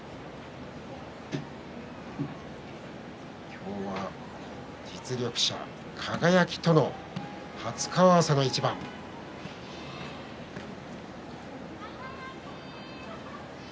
今日は実力者輝との初顔合わせの一番です。